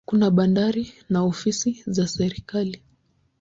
Kuna bandari na ofisi za serikali.